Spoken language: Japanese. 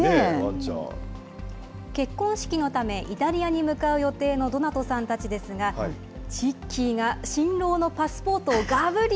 結婚式のため、イタリアに向かう予定のドナトさんたちですが、チッキーが新郎のパスポートをがぶり。